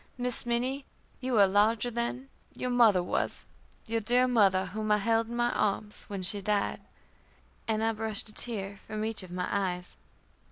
Miss Minnie, you are larger than your mother was your dear mother whom I held in my arms when she died;" and I brushed a tear from each of my eyes.